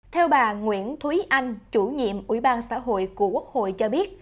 theo bà nguyễn thúy anh chủ nhiệm ủy ban xã hội của quốc hội cho biết